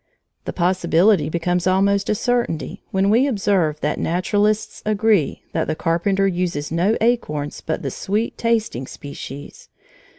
The possibility becomes almost a certainty when we observe that naturalists agree that the Carpenter uses no acorns but the sweet tasting species.